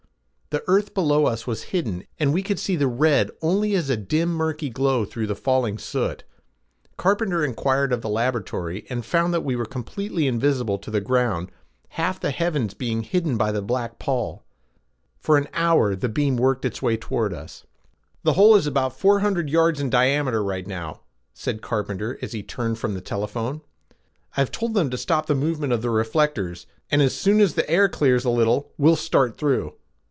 The earth below us was hidden and we could see the red only as a dim murky glow through the falling soot. Carpenter inquired of the laboratory and found that we were completely invisible to the ground, half the heavens being hidden by the black pall. For an hour the beam worked its way toward us. "The hole is about four hundred yards in diameter right now," said Carpenter as he turned from the telephone. "I have told them to stop the movement of the reflectors, and as soon as the air clears a little, we'll start through."